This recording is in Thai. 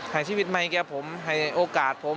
ให้ชีวิตใหม่แก่ผมให้โอกาสผม